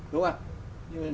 đúng không ạ